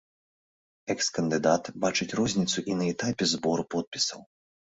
Экс-кандыдат бачыць розніцу і на этапе збору подпісаў.